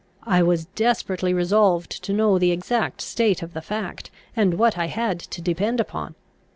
I was desperately resolved to know the exact state of the fact, and what I had to depend upon.